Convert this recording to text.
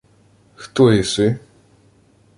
— Хто єси?